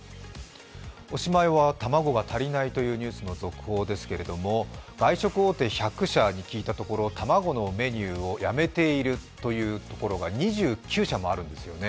おしまいは卵が足りないというニュースの続報ですけれども、外食大手１００社に聞いたところ卵のメニューをやめているというところが２９社もあるんですよね。